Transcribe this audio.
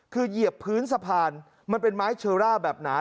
คือเหยียบพื้นสะพานมันเป็นไม้เชอร่าแบบหนา